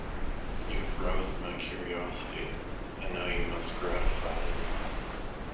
You have roused my curiosity, and now you must gratify it.